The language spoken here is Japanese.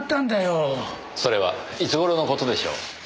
それはいつ頃の事でしょう？